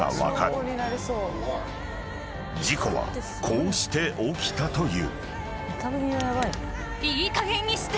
［事故はこうして起きたという］